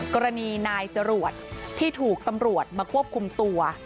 กรณีนายจรวดที่ถูกตำรวจมาควบคุมตัว